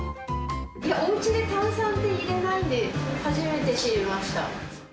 おうちで炭酸って入れないんで、初めて知りました。